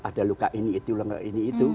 ada luka ini itu luka ini itu